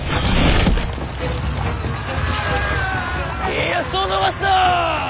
家康を逃すな！